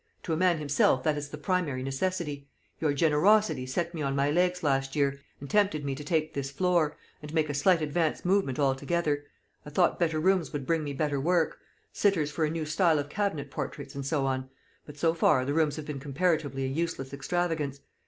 To a man himself that is the primary necessity. Your generosity set me on my legs last year, and tempted me to take this floor, and make a slight advance movement altogether. I thought better rooms would bring me better work sitters for a new style of cabinet portraits, and so on. But so far the rooms have been comparatively a useless extravagance.